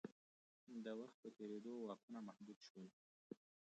د وخت په تېرېدو واکونه محدود شول.